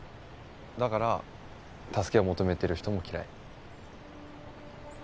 だから助けを求めてる人も嫌い。